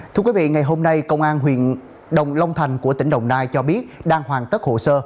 thưa quý vị ngày hôm nay công an huyện đồng long thành của tỉnh đồng nai cho biết đang hoàn tất hồ sơ